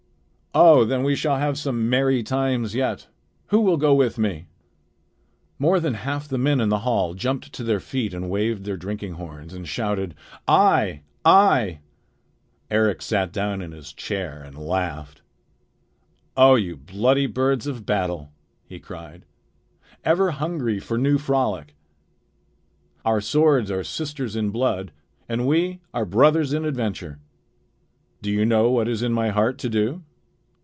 "Oh! then we shall have some merry times yet. Who will go with me?" More than half the men in the hall jumped to their feet and waved their drinking horns and shouted: "I! I!" [Illustration: "More than half the men in the hall jumped to their feet"] Eric sat down in his chair and laughed. "O you bloody birds of battle!" he cried. "Ever hungry for new frolic! Our swords are sisters in blood, and we are brothers in adventure. Do you know what is in my heart to do?"